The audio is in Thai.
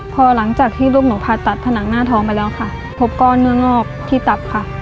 พอหลังจากที่ลูกหนูผ่าตัดผนังหน้าท้องไปแล้วค่ะพบก้อนเนื้องอกที่ตับค่ะ